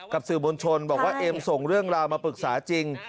สื่อมวลชนบอกว่าเอ็มส่งเรื่องราวมาปรึกษาจริง